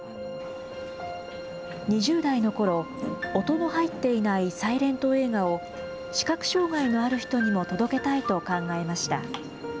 ２０代のころ、音の入っていないサイレント映画を視覚障害のある人にも届けたいと考えました。